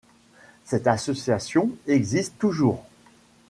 Cette association existe toujours.